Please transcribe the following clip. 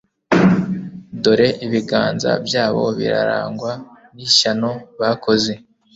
dore ibiganza byabo birarangwa n'ishyano bakoze